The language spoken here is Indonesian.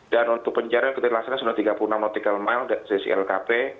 dan untuk pencarian ketika dilaksanakan sudah tiga puluh enam nautical mile dari lkp